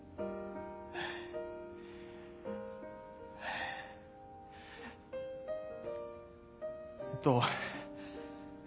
えっと。